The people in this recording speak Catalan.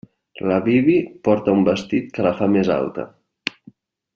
La Bibi porta un vestit que la fa més alta.